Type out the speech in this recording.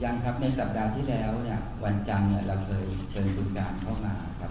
ยังครับในสัปดาห์ที่แล้ววันจังเราเคยเชิญคุณการเข้ามาครับ